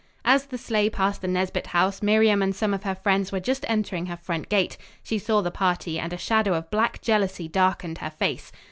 As the sleigh passed the Nesbit house, Miriam and some of her friends were just entering her front gate. She saw the party and a shadow of black jealousy darkened her face.